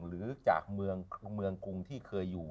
หรือจากเมืองกรุงที่เคยอยู่